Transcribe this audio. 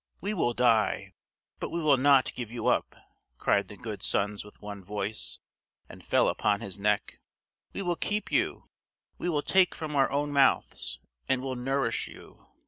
we will die, but we will not give you up," cried the good sons with one voice, and fell upon his neck; "we will keep you; we will take from our own mouths, and will nourish you."